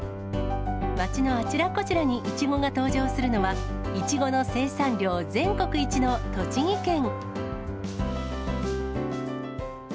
街のあちらこちらにイチゴが登場するのは、イチゴの生産量全国一の栃木県。